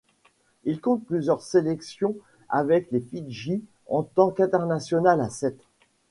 Il compte plusieurs sélections avec les Fidji en tant qu'international à sept.